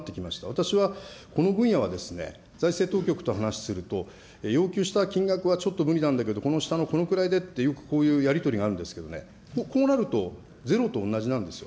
私はこの分野はですね、財政当局と話をすると、要求した金額はちょっと無理なんだけど、この下のこのくらいでと、よくこういうやり取りがあるんですけどね、こうなるとゼロと同じなんですよ。